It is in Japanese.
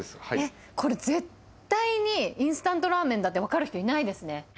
これ、絶対にインスタントラーメンだって分かる人いないですね。